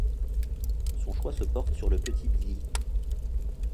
Son choix se porte sur le petit Billy.